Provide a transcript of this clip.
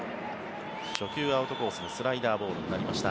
初球、アウトコースのスライダーボールになりました。